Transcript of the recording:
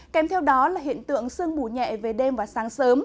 kèm theo đó là hiện tượng sương mù nhẹ về đêm và sáng sớm